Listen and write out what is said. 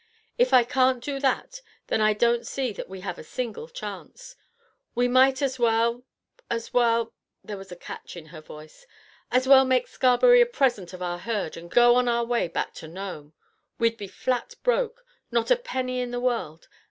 If I can't do that, then I don't see that we have a single chance. We might as well—as well—" there was a catch in her voice—"as well make Scarberry a present of our herd and go on our way back to Nome. We'd be flat broke; not a penny in the world!